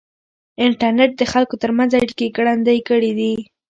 انټرنېټ د خلکو ترمنځ اړیکې ګړندۍ کړې دي.